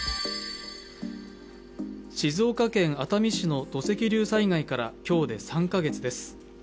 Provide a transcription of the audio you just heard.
静岡県熱海市の土石流災害から今日で３カ月です。